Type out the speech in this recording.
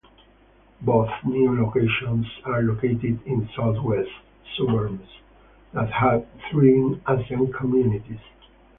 Both new locations are located in southwest suburbs that have thriving Asian communities.